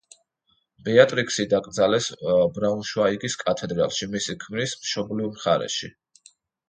ბეატრიქსი დაკრძალეს ბრაუნშვაიგის კათედრალში, მისი ქმრის მშობლიურ მხარეში.